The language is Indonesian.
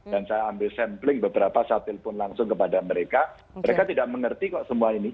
dan saya ambil sampling beberapa saat telpon langsung kepada mereka mereka tidak mengerti kok semua ini